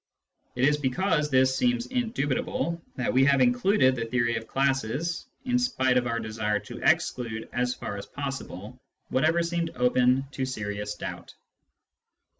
It is because this seems indubitable that we have included the theory of classes, in spite of our desire to exclude, as far as possible, whatever seemed open to serious doubt.